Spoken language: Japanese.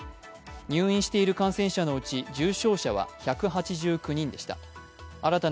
入院している感染者のうち重症者は１８９人でした。